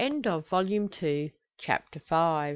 Volume Two, Chapter VI.